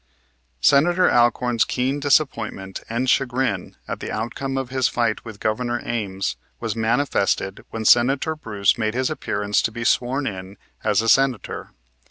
Senator Alcorn's keen disappointment and chagrin at the outcome of his fight with Governor Ames was manifested when Senator Bruce made his appearance to be sworn in as a Senator.